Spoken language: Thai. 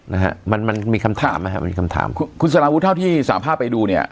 นะฮะมันมันมีคำถามนะฮะมันมีคำถามคุณสารวุฒิเท่าที่สาภาพไปดูเนี่ย